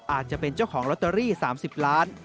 อาจจะเป็นเจ้าของลอตเตอรี่๓๐ล้าน